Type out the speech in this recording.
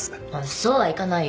そうはいかないよ。